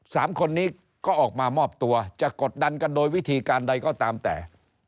สามคนนี้ก็ออกมามอบตัวจะกดดันกันโดยวิธีการใดก็ตามแต่